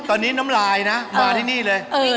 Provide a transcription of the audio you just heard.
ตอนนี้น้ำลายนะมาที่นี่เลย